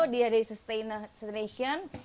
dia dari sustaination